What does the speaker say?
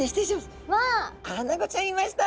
アナゴちゃんいました。